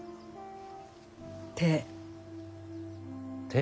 手。